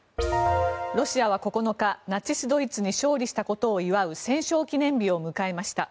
ロシアは９日、ナチス・ドイツに勝利したことを祝う戦勝記念日を迎えました。